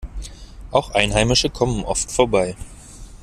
Auch Einheimische kommen oft vorbei.